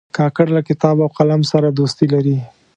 کاکړ له کتاب او قلم سره دوستي لري.